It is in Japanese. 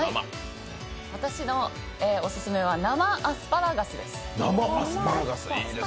私のオススメは生アスパラガスです。